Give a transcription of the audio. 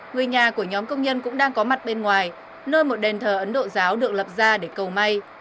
người nhà của nhóm công nhân cũng đang có mặt bên ngoài nơi một đền thờ ấn độ giáo được lập ra để cầu may